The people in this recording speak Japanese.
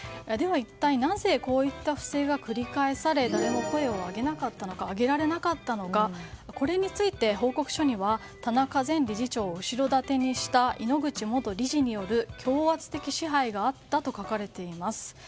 では、一体なぜこういった不正が繰り返され誰も声を上げられなかったのかこれについて報告書には田中前理事長を後ろ盾にした井ノ口元理事による強圧的支配があったと書かれています。